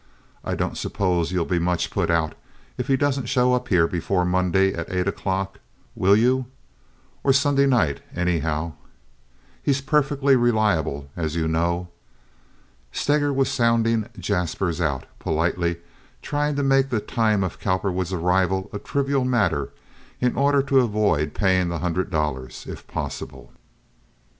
I don't suppose you'll be much put out if he doesn't show up here before Monday at eight o'clock, will you, or Sunday night, anyhow? He's perfectly reliable, as you know." Steger was sounding Jaspers out, politely trying to make the time of Cowperwood's arrival a trivial matter in order to avoid paying the hundred dollars, if possible.